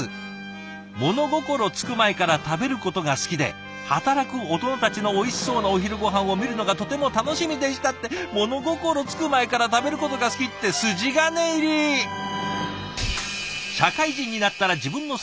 「ものごころつく前から食べることが好きで働く大人たちのおいしそうなお昼ごはんを見るのがとても楽しみでした」ってものごころつく前から食べることが好きって筋金入り！ってね